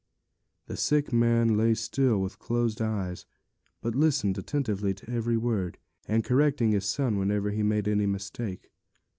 The sick man lay still with closed eyes, but listening attentively to every word, and correcting his son whenever he made any mistake.